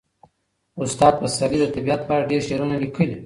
استاد پسرلي د طبیعت په اړه ډېر شعرونه لیکلي.